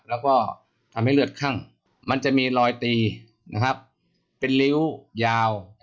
แล้วก็ทำให้เลือดคั่งมันจะมีรอยตีนะครับเป็นริ้วยาว